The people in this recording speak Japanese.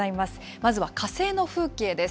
まずは火星の風景です。